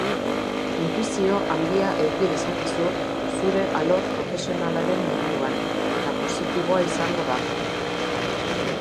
Intuizio handia eduki dezakezu zure alor profesionalaren inguruan, eta positiboa izango da.